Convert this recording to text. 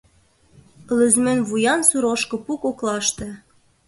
Лӧзмӧн вуян сур ошкыпу коклаште